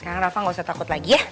karena rafa gak usah takut lagi ya